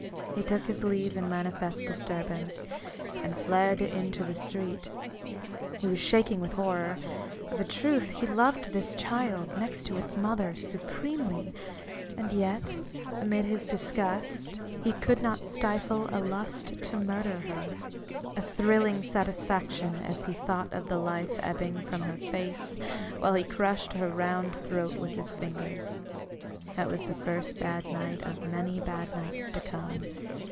He took his leave in manifest disturbance ; and fled into the street. He was shaking with horror : of a truth he loved this child, next to its mother, supremely ; and yet, amid his disgust, he could not stifle a lust to murder her, — a thrilling satisfaction, as he thought of the life ebbing from her face while he crushed her soft round throat with his fingers. That was the first bad night of the many bad nights to come.